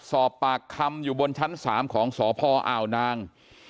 สอบปากคำอยู่บนชั้น๓ของสพอ่าวนาง